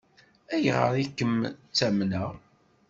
Ayɣer i kem-ttamneɣ?